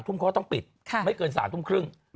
ทุ่มเขาก็ต้องปิดไม่เกิน๓ทุ่มครึ่ง